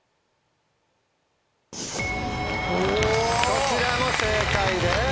こちらも正解です。